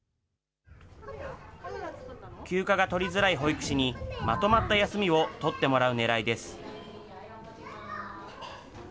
休暇が取りづらい保育士に、まとまった休みを取ってもらうねらいです。